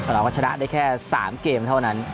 เราก็ชนะได้แค่๓เกมเท่านั้น